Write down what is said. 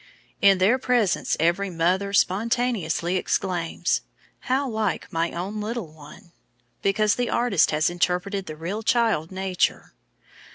In their presence every mother spontaneously exclaims, "How like my own little one!" because the artist has interpreted the real child nature.